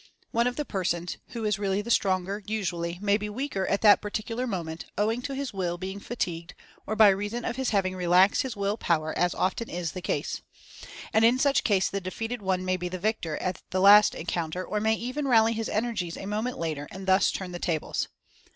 One of the persons, who is really the stronger, usually, may be weaker at that particular moment, owing to his Will being fatigued, or by reason of his having relaxed his Will Power, as is often the case. And in such case the defeated one may be the victor at the last encounter, or may even rally his energies a moment later, and thus turn the tables.